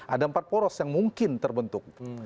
ada empat poros yang mungkin terbentuk